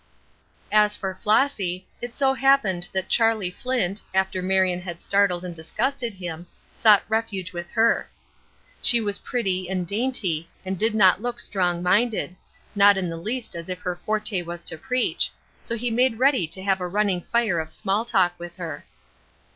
As for Flossy, it so happened that Charlie Flint, after Marion had startled and disgusted him, sought refuge with her. She was pretty and dainty, and did not look strong minded; not in the least as if her forte was to preach, so he made ready to have a running fire of small talk with her.